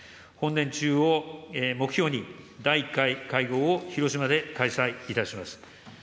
本年中を目標に、第１回会合を広島で開催いたします。